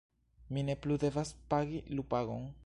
mi ne plu devas pagi lupagon.